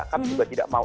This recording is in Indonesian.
kami juga tidak mau